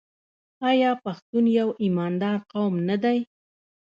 آیا پښتون یو ایماندار قوم نه دی؟